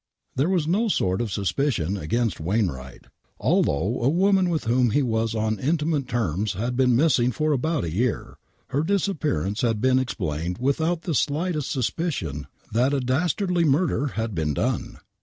There was no sort of suspicion against Wainwright. Although a woman with whom he was on intimate terms had been missing for about a year, her disappearance had been ex plained without the slightest suspicion that a dr^tardly murder had been done.